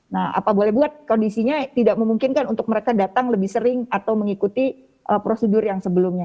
nah apa boleh buat kondisinya tidak memungkinkan untuk mereka datang lebih sering atau mengikuti prosedur yang sebelumnya